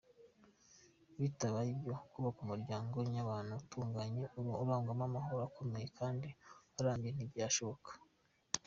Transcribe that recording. Bitabaye ibyo, kubaka umuryango nyabantu utunganye, urangwamo amahoro akomeye kandi arambye ntibyashoboka.